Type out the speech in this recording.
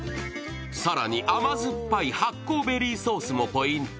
更に甘酸っぱい醗酵ベリーソースもポイント。